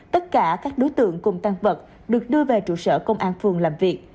tất cả các đối tượng cùng tăng vật được đưa về trụ sở công an phường làm việc